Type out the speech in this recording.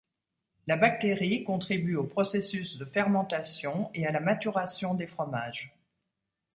La bactérie contribue au processus de fermentation et à la maturation des fromages.